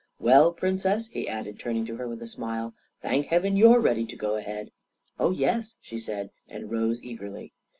Well, Princess," he added, turning to her with a smile, " thank heaven yotfre ready to go ahead!" " Oh, yes," she said, and rose eagerly.